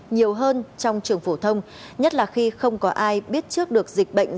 nhiều hơn trong trường phổ thông nhất là khi không có ai biết trước được dịch bệnh